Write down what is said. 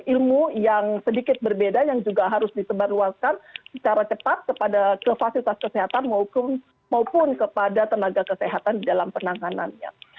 ilmu yang sedikit berbeda yang juga harus disebarluaskan secara cepat kepada ke fasilitas kesehatan maupun kepada tenaga kesehatan di dalam penanganannya